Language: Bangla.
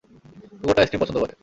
কুকুরটা আইসক্রিম পছন্দ করে।